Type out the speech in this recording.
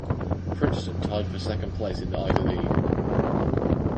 Princeton tied for second place in the Ivy League.